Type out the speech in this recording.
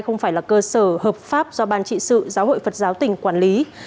không phải là cơ sở hợp pháp do ban trị sự giáo hội phật giáo tỉnh quản lý